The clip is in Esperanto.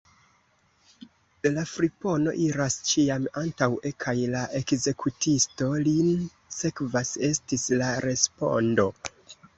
La fripono iras ĉiam antaŭe, kaj la ekzekutisto lin sekvas, estis la respondo.